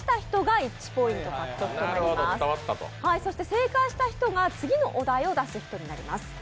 正解した人が次のお題を出す人になります。